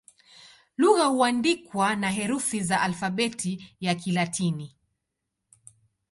Lugha huandikwa na herufi za Alfabeti ya Kilatini.